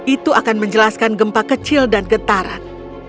itu akan menjelaskan gempa kecil dan getaran